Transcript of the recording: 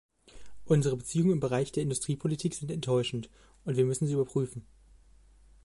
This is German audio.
Unsere Beziehungen im Bereich der Industriepolitik sind enttäuschend, und wir müssen sie überprüfen.